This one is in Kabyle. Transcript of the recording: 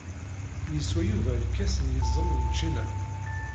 Yeswa Yuba lkas n yiẓem n čina.